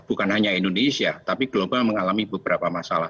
bukan hanya indonesia tapi global mengalami beberapa masalah